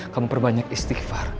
kamu perbanyak istighfar